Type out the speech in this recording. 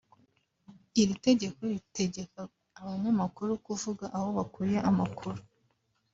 Iri tegeko ritegeka abanyamakuru kuvuga aho bakuye amakuru